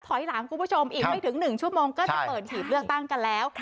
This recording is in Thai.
ถอยหลังคุณผู้ชมอีกไม่ถึง๑ชั่วโมงก็จะเปิดหีบเลือกตั้งกันแล้ว